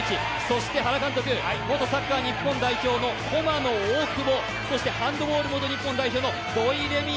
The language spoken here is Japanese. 元サッカー日本代表の駒野、大久保そしてハンドボール元日本代表の土井レミイ